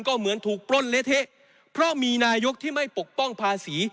ก็เหมือนถูกปล้นเละเทะเพราะมีนายกที่ไม่ปกป้องภาษี